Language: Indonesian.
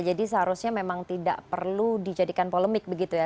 jadi seharusnya memang tidak perlu dijadikan polemik begitu ya